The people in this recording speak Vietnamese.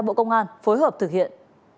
bộ công an phối hợp thực hiện